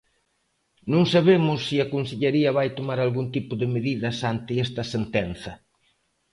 Non sabemos se a Consellería vai tomar algún tipo de medidas ante esta sentenza.